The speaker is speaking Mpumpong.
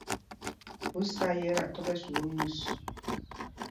Ú sá yɛ̄ ta tɔ̄ ɓɛ̌ sukûl mus ?